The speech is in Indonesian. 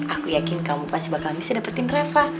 aku yakin kamu pasti bakal bisa dapetin reva